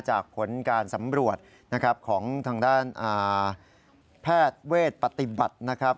ผลการสำรวจนะครับของทางด้านแพทย์เวทปฏิบัตินะครับ